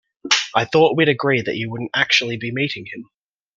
I thought we'd agreed that you wouldn't actually be meeting him?